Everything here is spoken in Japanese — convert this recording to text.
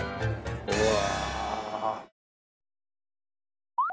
うわ。